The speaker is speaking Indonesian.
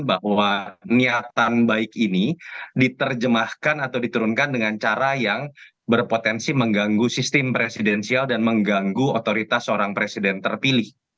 bahwa niatan baik ini diterjemahkan atau diturunkan dengan cara yang berpotensi mengganggu sistem presidensial dan mengganggu otoritas seorang presiden terpilih